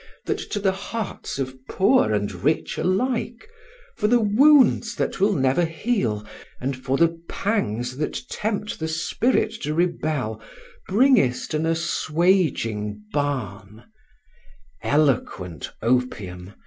that to the hearts of poor and rich alike, for the wounds that will never heal, and for "the pangs that tempt the spirit to rebel," bringest an assuaging balm; eloquent opium!